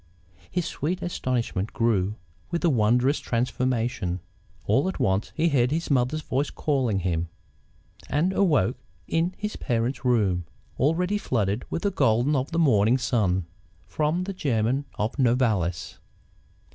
His sweet astonishment grew with the wondrous transformation. All at once he heard his mother's voice calling him, and awoke in his parents' room, already flooded with the gold of the morning sun. From the German of Novalis.